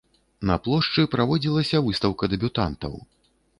На плошчы праводзілася выстаўка дэбютантаў.